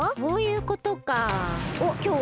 そういうことか。